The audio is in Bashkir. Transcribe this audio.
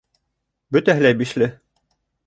Бөтәһе лә «бишле».